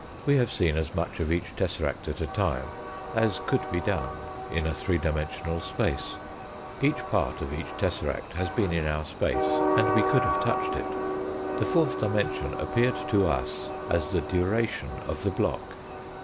We have seen as much of each tesseract at a time as could be done in a three dimen sional space. Each part of each tesseract has been in our space, and we could have touched it. APPENDIX I 241 The fourth dimension appeared to us as the duration of the block.